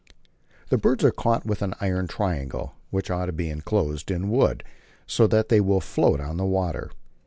The birds are caught with an iron triangle, which ought to be enclosed in wood, so that it will float on the water.